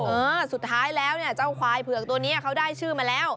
เออสุดท้ายแล้วเนี่ยเจ้าควายเผือกตัวนี้เขาได้ชื่อมาแล้ว